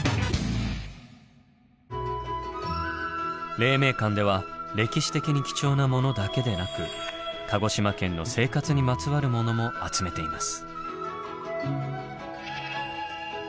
黎明館では歴史的に貴重なものだけでなく鹿児島県の生活にまつわるものも集めています。